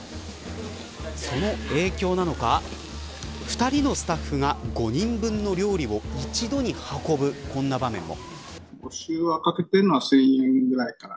その影響なのか２人のスタッフが５人分の料理を一度に運ぶ、こんな場面も。